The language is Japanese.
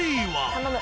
「頼む！」